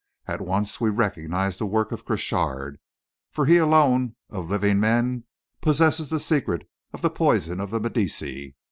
At once we recognised the work of Crochard, for he alone of living men possesses the secret of the poison of the Medici.